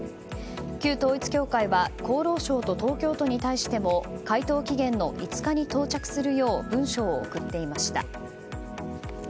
旧統一教会は厚労省と東京都に対しても回答期限の５日に到着するよう文書を送っていました。